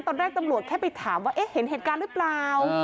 ตอนแรกตำรวจแค่ไปถามว่าเอ๊ะเห็นเหตุการณ์หรือเปล่า